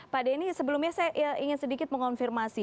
pak denny sebelumnya saya ingin sedikit mengonfirmasi